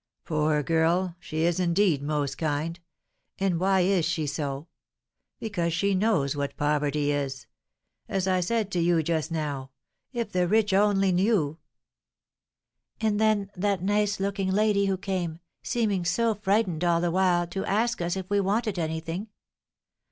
"Poor girl! she is indeed most kind, and why is she so? Because she knows what poverty is. As I said to you just now, if the rich only knew " "And then that nice looking lady who came, seeming so frightened all the while, to ask us if we wanted anything.